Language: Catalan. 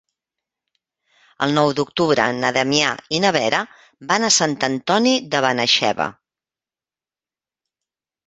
El nou d'octubre na Damià i na Vera van a Sant Antoni de Benaixeve.